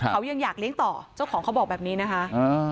เขายังอยากเลี้ยงต่อเจ้าของเขาบอกแบบนี้นะคะ